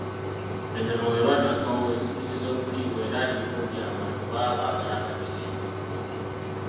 Ennyama bw'eba n'akawoowo esikiriza okuliibwa era agifumbye abantu baba baagala abajjulire mangu.